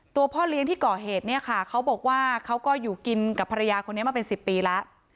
พ่อเลี้ยงที่ก่อเหตุเนี่ยค่ะเขาบอกว่าเขาก็อยู่กินกับภรรยาคนนี้มาเป็น๑๐ปีแล้ว